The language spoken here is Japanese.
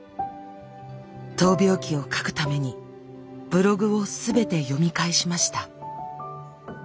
闘病記を書くためにブログを全て読み返しました。